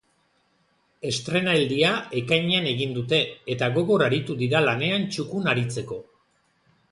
Estreinaldia ekainean egin dute, eta gogor aritu dira lanean txukun aritzeko.